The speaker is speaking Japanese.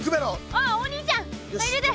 ああお兄ちゃんはい入れて。